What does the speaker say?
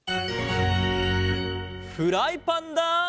フライパンだ！